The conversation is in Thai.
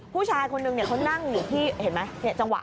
ผู้ชายคนนึงเขานั่งอยู่ที่เห็นไหมจังหวะ